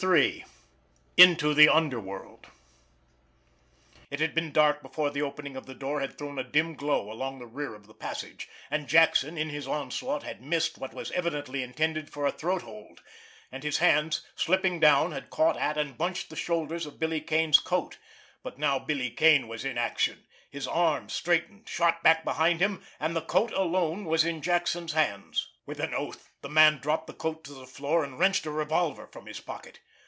III—INTO THE UNDERWORLD It had been dark before the opening of the door had thrown a dim glow along the rear of the passage, and Jackson, in his onslaught, had missed what was evidently intended for a throathold, and his hands, slipping down, had caught at and bunched the shoulders of Billy Kane's coat. But now Billy Kane was in action. His arms, straightened, shot back behind him—and the coat alone was in Jackson's hands. With an oath, the man dropped the coat to the floor, and wrenched a revolver from his pocket.